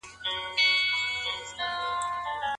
د ناروغانو شمېر څنګه ثبت کیږي؟